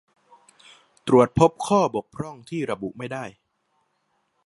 ตรวจพบข้อบกพร่องที่ระบุไม่ได้